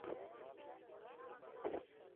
بامیان د افغان تاریخ په ټولو کتابونو کې ذکر شوی دی.